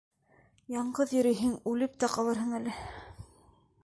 Яңғыҙ йөрөһәң, үлеп тә ҡалырһың әле.